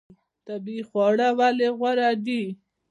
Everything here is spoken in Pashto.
طبیعي خواړه ولې غوره دي؟